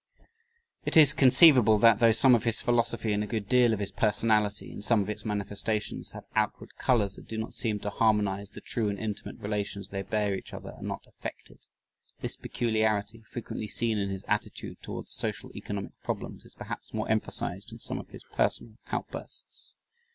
It is conceivable that though some of his philosophy and a good deal of his personality, in some of its manifestations, have outward colors that do not seem to harmonize, the true and intimate relations they bear each other are not affected. This peculiarity, frequently seen in his attitude towards social economic problems, is perhaps more emphasized in some of his personal outbursts.